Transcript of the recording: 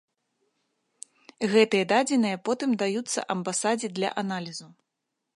Гэтыя дадзеныя потым даюцца амбасадзе для аналізу.